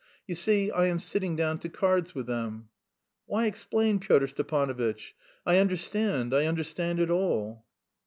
"You see, I am sitting down to cards with them." "Why explain, Pyotr Stepanovitch? I understand, I understand it all!"